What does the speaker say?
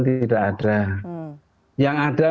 tidak ada yang ada